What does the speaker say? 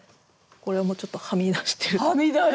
これもちょっとはみ出してる！